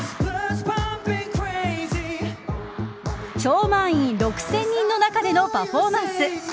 超満員６０００人の中でのパフォーマンス。